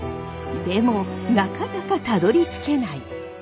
でもなかなかたどりつけない。